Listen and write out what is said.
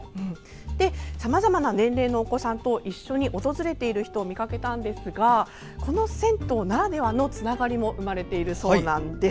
さまざまな年齢のお子さんと一緒に訪れている人を見かけたんですがこの銭湯ならではのつながりも生まれています。